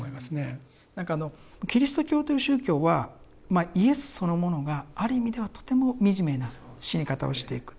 何かあのキリスト教という宗教はまあイエスそのものがある意味ではとても惨めな死に方をしていく。